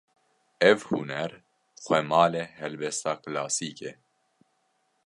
Ev huner, xwemalê helbesta klasîk e